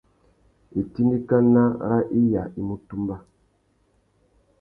Itindikana râ iya i mú tumba.